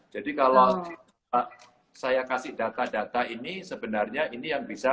jadi kalau saya kasih data data ini sebenarnya ini yang bisa